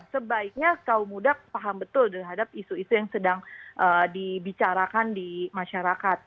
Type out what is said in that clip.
sebaiknya kaum muda paham betul terhadap isu isu yang sedang dibicarakan di masyarakat